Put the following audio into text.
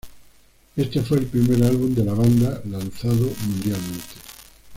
Este fue el primer álbum de la banda lanzado mundialmente.